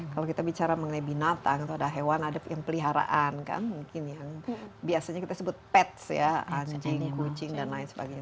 kalau kita bicara mengenai binatang atau ada hewan ada yang peliharaan kan mungkin yang biasanya kita sebut pets ya anjing kucing dan lain sebagainya